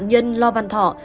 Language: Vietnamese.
nạn nhân lo văn thọ